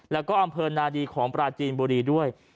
แล้วก็อำเภอนาดีของปราจีนบุรีด้วย